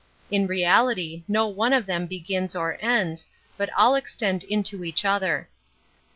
In reality no one of them begins or ends, but all extend into each other.